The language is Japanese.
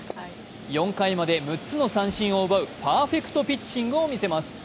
４回まで６つの三振を奪うパーフェクトピッチングを見せます。